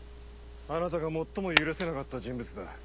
あなたが最も許せなかった人物だ。